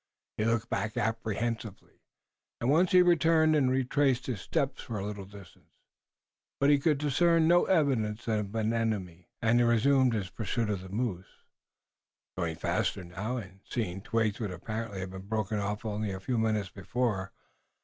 He looked back apprehensively, and once he returned and retraced his steps for a little distance, but he could discern no evidence of an enemy and he resumed his pursuit of the moose, going faster now, and seeing twigs which apparently had been broken off only a few minutes before.